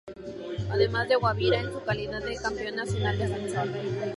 Además de Guabirá en su calidad de campeón nacional defensor.